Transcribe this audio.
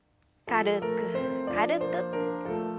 軽く軽く。